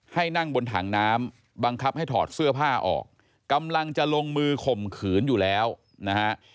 ให้นั่งบนถังน้ำบังคับให้ถอดเสื้อผ้าออกกำลังจะลงมือข่มขืนอยู่แล้วนะฮะ